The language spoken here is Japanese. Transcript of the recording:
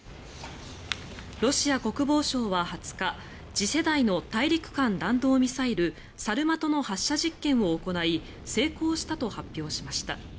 ロシア国防省は２０日次世代の大陸間弾道ミサイルサルマトの発射実験を行い成功したと発表しました。